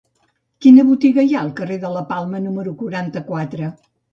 Quina botiga hi ha al carrer de la Palma número quaranta-quatre?